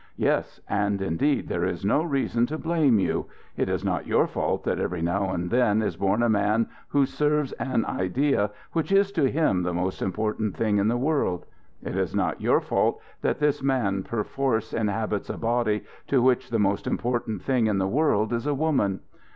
Yes, and indeed there is no reason to blame you. It is not your fault that every now and then is born a man who serves an idea which is to him the most important thing in the world. It is not your fault that this man perforce inhabits a body to which the most important thing in the world is a woman.